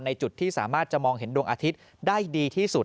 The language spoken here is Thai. จุดที่สามารถจะมองเห็นดวงอาทิตย์ได้ดีที่สุด